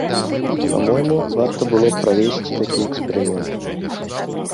Па-мойму, варта было б правесці такі эксперымент.